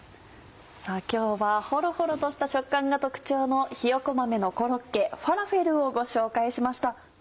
今日はホロホロとした食感が特徴のひよこ豆のコロッケ「ファラフェル」をご紹介しました。